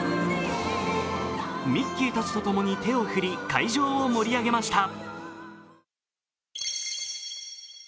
ミッキーたちと共に手を振り会場を盛り上げました。